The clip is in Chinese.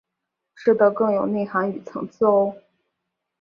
吃的更有内涵与层次喔！